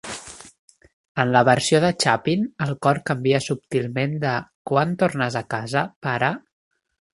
En la versió de Chapin, el cor canvia subtilment de "Quan tornes a casa, pare?".